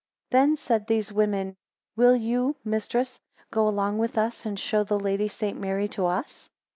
16 Then said these women, Will you Mistress, go along with us, and show the Lady St. Mary to us?